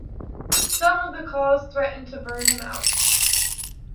Some of the calls threatened to burn him out.